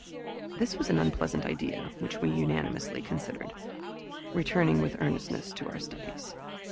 This was an unpleasant idea, which we unanimously considered, returning with earnestness to our studies.